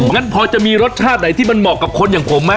งั้นพอจะมีรสชาติไหนที่เหมาะกับคนแบบผมมั้ย